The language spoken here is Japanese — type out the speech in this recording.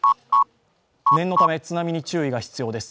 念のため、津波に注意が必要です。